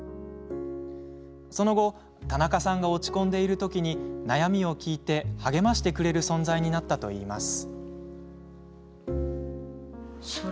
その後、田中さんが落ち込んでいる時に悩みを聞いて励ましてくれる存在になったといいます。